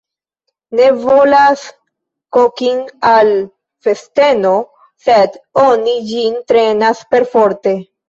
Ne volas kokin' al festeno, sed oni ĝin trenas perforte.